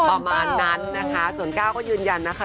ประมาณนั้นนะคะส่วนก้าวก็ยืนยันนะคะ